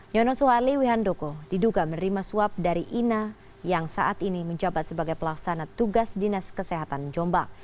nyono suharli wihandoko diduga menerima suap dari ina yang saat ini menjabat sebagai pelaksana tugas dinas kesehatan jombang